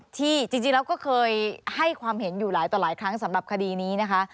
ที่จริงแล้วก็เคยให้ความเห็นอยู่หลายต่อหลายครั้งสำหรับคดีนี้นะคะ